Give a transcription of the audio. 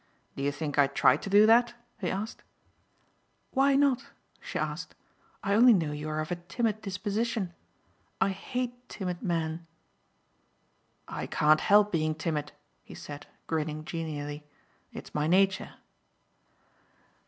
"Do you think I tried to do that?" he asked. "Why not?" she asked, "I only know you are of a timid disposition. I hate timid men." "I can't help being timid," he said grinning genially, "it's my nature."